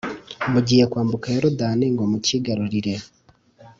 mugiye kwambuka Yorodani ngo mucyigarurire.